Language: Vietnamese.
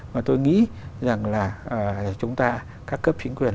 mà tôi nghĩ rằng là chúng ta các cấp chính quyền